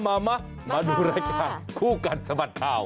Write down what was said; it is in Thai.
มามาดูรายการคู่กันสมัครข่าว